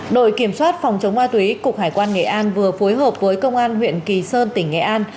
đội kiểm soát phòng chống ma túy cục hải quan nghệ an vừa phối hợp với công an huyện kỳ sơn tỉnh nghệ an